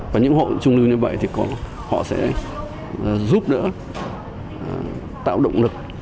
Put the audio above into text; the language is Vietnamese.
và những hộ trung lưu như vậy thì họ sẽ giúp đỡ tạo động lực